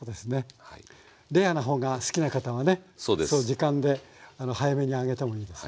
時間で早めにあげてもいいですね。